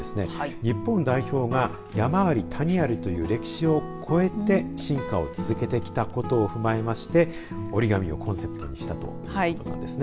日本代表が山あり谷ありという歴史を超えて進化を続けてきたことを踏まえまして折り紙をコンセプトにしたということなんですね。